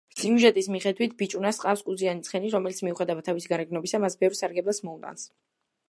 სიუჟეტის მიხედვით, ბიჭუნას ჰყავს კუზიანი ცხენი, რომელიც, მიუხედავად თავისი გარეგნობისა, მას ბევრ სარგებელს მოუტანს.